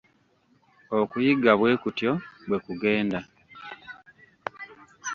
Okuyiga bwe kutyo bwe kugenda.